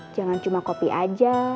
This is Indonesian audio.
jangan cuma kopi aja